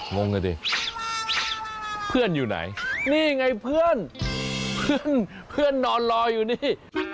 มองกันดิเพื่อนอยู่ไหนนี่ไงเพื่อนนอนรออยู่นี่